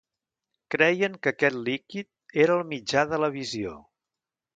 Creien que aquest líquid era el mitjà de la visió.